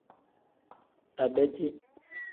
Abeti.